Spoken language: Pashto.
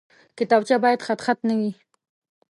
کتابچه باید خطخط نه وي